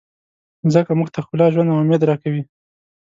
مځکه موږ ته ښکلا، ژوند او امید راکوي.